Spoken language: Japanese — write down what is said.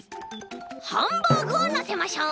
ハンバーグをのせましょう！